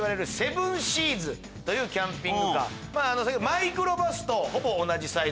マイクロバスとほぼ同じサイズ。